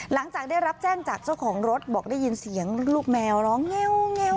หลังจากได้รับแจ้งจากเจ้าของรถบอกได้ยินเสียงลูกแมวร้องแงว